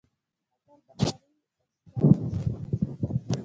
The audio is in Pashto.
اتل بهاري واجپايي د سولې هڅې وکړې.